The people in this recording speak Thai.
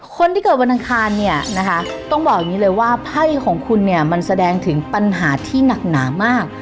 คนที่เกิดวันอังคารเนี่ยนะคะต้องบอกอย่างนี้เลยว่าไพ่ของคุณเนี่ยมันแสดงถึงปัญหาที่หนักหนามาก